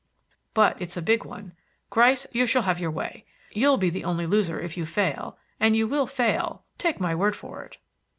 "But it's a big one. Gryce, you shall have your way. You'll be the only loser if you fail; and you will fail; take my word for it."